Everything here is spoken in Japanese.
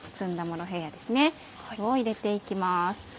これを入れて行きます。